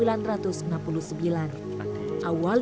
awalnya pohon akasia ini ditandai